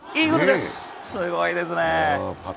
すごいですね。